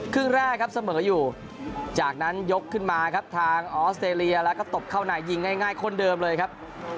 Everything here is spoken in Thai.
ครึ่งแรกครับเสมออยู่จากนั้นยกขึ้นมาครับทางออสเตรเลียแล้วก็ตบเข้าในยิงง่ายคนเดิมเลยครับ